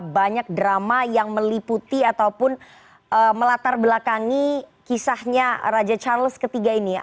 banyak drama yang meliputi ataupun melatar belakangi kisahnya raja charles iii ini